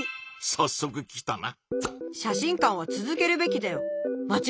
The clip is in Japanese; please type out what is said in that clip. さっそく来たな。